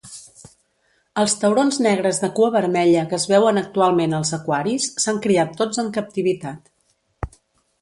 Els taurons negres de cua vermella que es veuen actualment als aquaris s'han criat tots en captivitat.